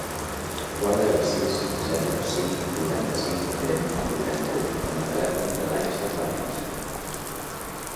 Guarda el sis, zero, cinc, vuitanta-cinc, trenta, vuitanta-u com a telèfon de l'Aicha Planells.